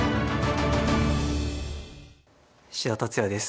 志田達哉です。